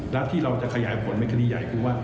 และที่เราจะขยายผลเป็นคดีใหญ่คือว่า